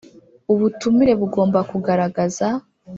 Ubutumire bugomba kugaragaza